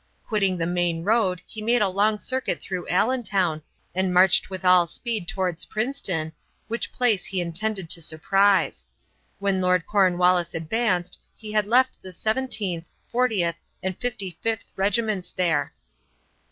Quitting the main road he made a long circuit through Allentown and marched with all speed toward Princeton, which place he intended to surprise. When Lord Cornwallis advanced he had left the Seventeenth, Fortieth, and Fifty fifth regiments there.